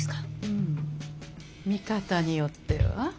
うん見方によっては。